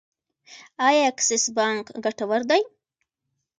آیا اکسس بانک ګټور دی؟